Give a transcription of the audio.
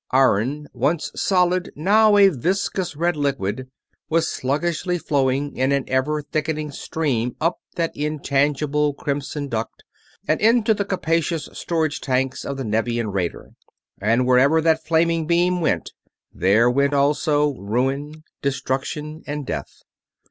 Iron, once solid, now a viscous red liquid, was sluggishly flowing in an ever thickening stream up that intangible crimson duct and into the capacious storage tanks of the Nevian raider; and wherever that flaming beam went there went also ruin, destruction and death.